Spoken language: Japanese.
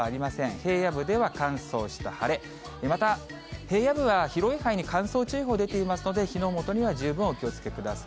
平野部では乾燥した晴れ、また、平野部は広い範囲に乾燥注意報出ていますので、火の元には十分お気をつけください。